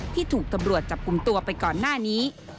ถูกตำรวจจับกลุ่มตัวไปก่อนหน้านี้